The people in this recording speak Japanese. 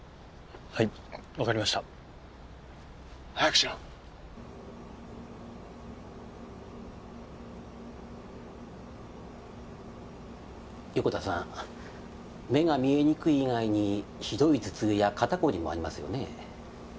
はい分かりました早くしろ横田さん目が見えにくい以外にひどい頭痛や肩こりもありますよね？